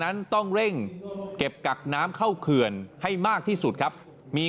นั้นต้องเร่งเก็บกักน้ำเข้าเขื่อนให้มากที่สุดครับมี